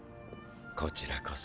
こちらこそ。